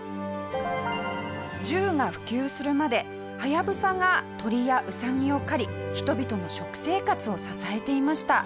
銃が普及するまでハヤブサが鳥やウサギを狩り人々の食生活を支えていました。